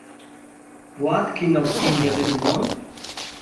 What kind of India do you want?